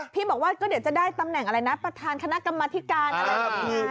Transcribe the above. บอกว่าก็เดี๋ยวจะได้ตำแหน่งอะไรนะประธานคณะกรรมธิการอะไรแบบนี้